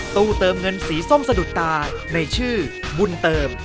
ตู้เติมเงินสีส้มสะดุดตาในชื่อบุญเติม